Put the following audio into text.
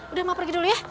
udah ma pergi dulu ya